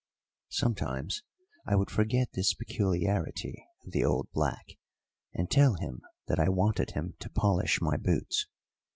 Sometimes I would forget this peculiarity of the old black, and tell him that I wanted him to polish my boots.